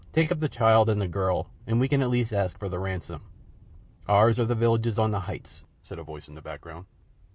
Take up the child and the girl, and we can at least ask for the ransom. Ours are the villages on the heights," said a voice in the background.